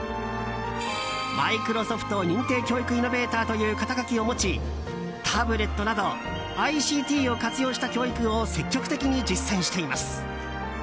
マイクロソフト認定教育イノベーターという肩書も持ちタブレットなどＩＣＴを活用した教育を積極的に実践しています。